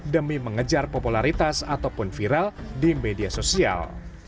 demi mengejar popularitas ataupun viral di media sosial